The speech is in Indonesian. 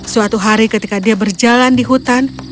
suatu hari ketika dia berjalan di hutan